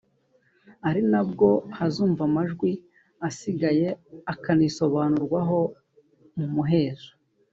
ari nabwo hazumvwa amajwi asigaye akanisobanurwaho mu muhezo